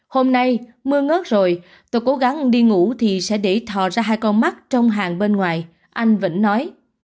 hôm nay mưa ngớt rồi tôi cố gắng đi ngủ thì sẽ để thò ra hai con mắt trong hàng bên ngoài anh vẫn nói